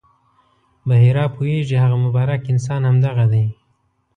بحیرا پوهېږي هغه مبارک انسان همدغه دی.